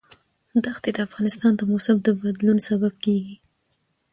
دښتې د افغانستان د موسم د بدلون سبب کېږي.